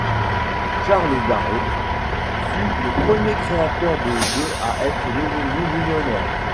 Charles Darrow fut le premier créateur de jeu à être devenu millionnaire.